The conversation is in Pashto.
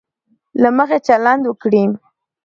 له مخي چلند وکړي.